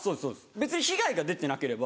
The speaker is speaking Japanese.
別に被害が出てなければ。